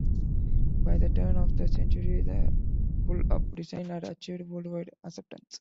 By the turn of the century, the bullpup design had achieved world-wide acceptance.